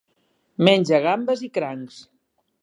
Menja gambes i crancs.